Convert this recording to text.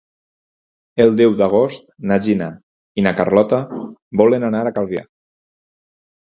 El deu d'agost na Gina i na Carlota volen anar a Calvià.